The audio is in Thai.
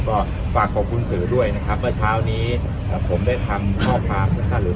ก็ฝากขอบคุณสื่อด้วยนะครับเมื่อเช้านี้ผมได้ทำข้อความสั้นหรือ